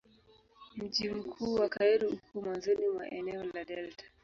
Mji mkuu wa Kairo uko mwanzoni mwa eneo la delta.